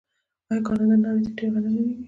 آیا کاناډا نړۍ ته ډیر غنم نه لیږي؟